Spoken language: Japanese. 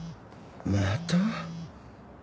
また？